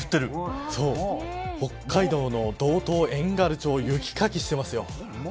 北海道の道東遠軽町、雪かきしてますよ。